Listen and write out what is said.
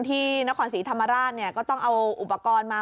ที่ข่อนศรีธรรมราชจะเอาอุปกรณ์มา